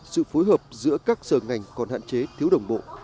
sự phối hợp giữa các sở ngành còn hạn chế thiếu đồng bộ